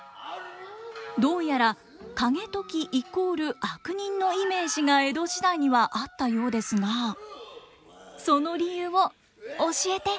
どうやら景時イコール悪人のイメージが江戸時代にはあったようですがその理由を教えて！